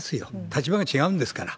立場が違うんですから。